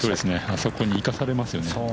あそこに行かされますよね。